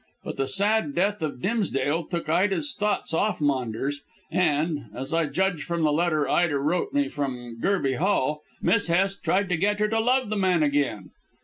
But the sad death of Dimsdale took Ida's thoughts off Maunders, and as I judge from the letter Ida wrote me from Gerby Hall Miss Hest tried to get her to love the man again.